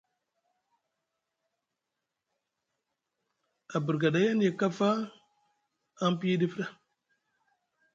A birga ɗay anye kafa aŋ piyi ɗif ɗa.